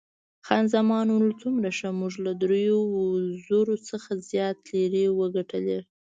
خان زمان وویل، څومره ښه، موږ له دریو زرو څخه زیاتې لیرې وګټلې.